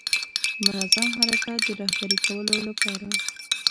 د منظم حرکت د رهبري کولو لپاره.